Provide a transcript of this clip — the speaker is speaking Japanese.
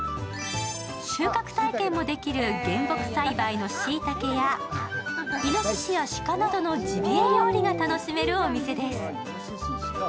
収穫体験もできる原木栽培のしいたけやいのししや鹿などのジビエ料理が楽しめるお店です。